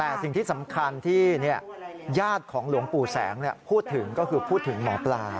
แต่สิ่งที่สำคัญที่ญาติของหลวงปู่แสงพูดถึงก็คือพูดถึงหมอปลา